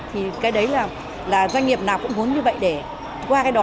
thì cái đấy là doanh nghiệp nào cũng muốn như vậy để qua cái đó